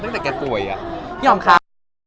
โปรดติดตามตอนต่อไป